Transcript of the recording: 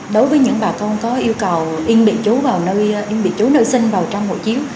đối với những bà con có yêu cầu in bị chú nơi sinh vào trong hộ chiếu